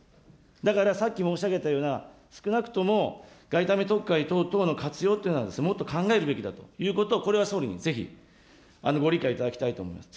だからさっき申し上げたような、少なくとも外為特会等々の活用というのはもっと考えるべきだということを、これは総理にぜひ、ご理解いただきたいと思います。